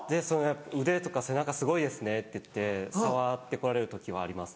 「腕とか背中すごいですね」って言って触って来られる時はあります。